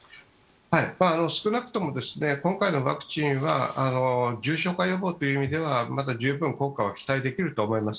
少なくとも今回のワクチンは重症化予防という意味ではまだ十分、効果は期待できると思います。